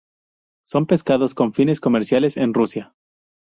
Son pescados con fines comerciales en Rusia.